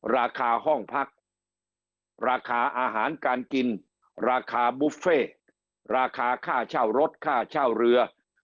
ราคาห้องพักราคาอาหารการกินราคาบุฟเฟ่ราคาค่าเช่ารถค่าเช่าเรือ